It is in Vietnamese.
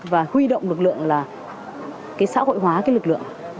và huy động lực lượng là cái xã hội hóa cái lực lượng